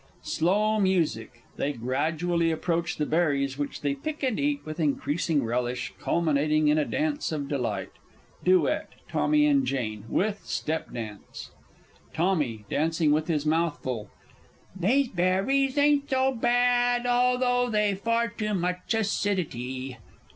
[_Slow music; they gradually approach the berries, which they pick and eat with increasing relish, culminating in a dance of delight._ Duet TOMMY and JANE (with step dance). Tommy (dancing, with his mouth full). These berries ain't so bad although they've far too much acidity.